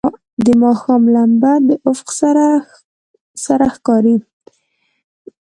د ماښام لمبه د افق پر سر ښکاري.